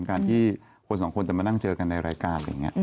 การที่คนสองคนจะมานั่งเจอกันในรายการอะไรอย่างนี้